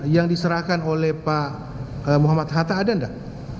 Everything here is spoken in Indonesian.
yang diserahkan oleh pak muhammad hatta ada nggak